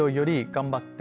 頑張って。